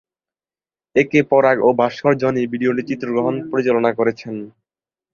এ K Parag ও ভাস্কর জনি ভিডিওটি চিত্রগ্রহণ পরিচালনা করেছেন।